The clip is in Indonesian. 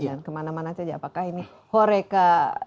dan kemana mana saja apakah ini horeca